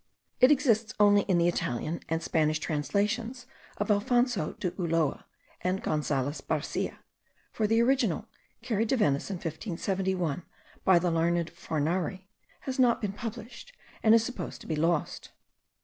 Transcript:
It exists only in the Italian and Spanish translations of Alphonso de Ulloa and Gonzales Barcia: for the original, carried to Venice in 1571 by the learned Fornari, has not been published, and is supposed to be lost.